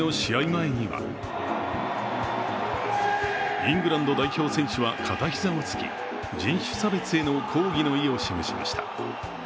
前にはイングランド代表選手は片膝をつき人種差別への抗議の意を示しました。